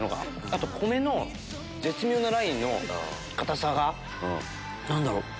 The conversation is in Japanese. あと米の絶妙なラインの硬さが。何だろう？